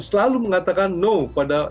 selalu mengatakan no pada